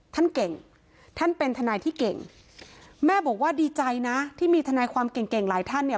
ท่านเก่งท่านเป็นทนายที่เก่งแม่บอกว่าดีใจนะที่มีทนายความเก่งเก่งหลายท่านเนี่ย